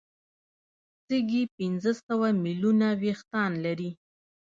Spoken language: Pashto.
سږي پنځه سوه ملیونه وېښتان لري.